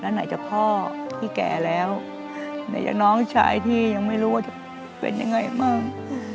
ไหนจะพ่อที่แก่แล้วไหนจะน้องชายที่ยังไม่รู้ว่าจะเป็นยังไงบ้าง